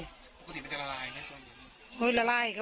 ปกติมันจะละลายไหมตอนเย็น